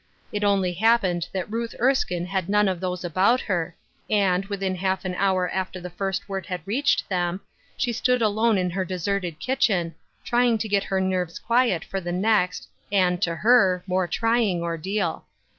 It only happened that Ruth Erskine had none of those fiibout her, and, within half an hour after the first ivord had reached them, she stood alone in her fileserted kitchen, trying to get her nerves qTiiet f(3r the next, and, to her, more trying ordeal.